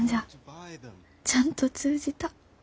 ちゃんと通じた。